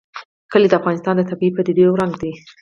کلي د افغانستان د طبیعي پدیدو یو رنګ دی.